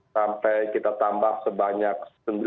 sampai kita tambah sebanyak sembilan delapan puluh empat